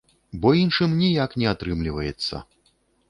Бо іншым ніяк не атрымліваецца.